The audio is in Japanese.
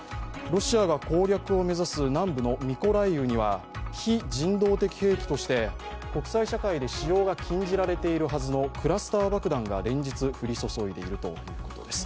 ロシアが攻略を目指す南部のミコライウには非人道的兵器として国際社会で使用が禁じられているはずのクラスター爆弾が連日、降り注いでいるということです。